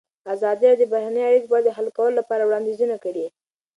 ازادي راډیو د بهرنۍ اړیکې په اړه د حل کولو لپاره وړاندیزونه کړي.